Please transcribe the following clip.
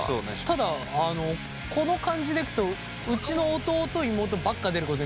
ただこの感じでいくとうちの弟妹ばっか出ることになるけど。